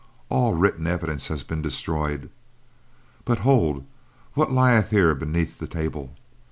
"All written evidence has been destroyed, but hold what lieth here beneath the table?"